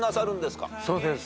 そうです。